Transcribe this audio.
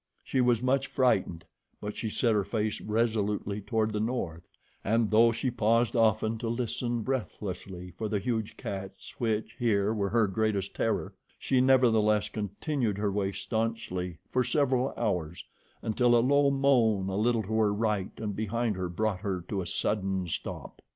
She was much frightened, but she set her face resolutely toward the north, and though she paused often to listen, breathlessly, for the huge cats which, here, were her greatest terror, she nevertheless continued her way staunchly for several hours, until a low moan a little to her right and behind her brought her to a sudden stop.